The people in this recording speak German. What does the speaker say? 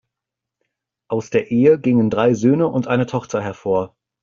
Aus der Ehe gingen drei Söhne und eine Tochter hervor.